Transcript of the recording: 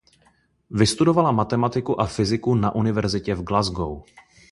Vystudovala matematiku a fyziku na univerzitě v Glasgow.